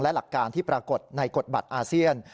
และหลักการที่ปรากฏในกฎบัตรอาเซียน